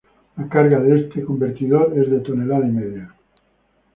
La carga de este convertidor es de tonelada y media.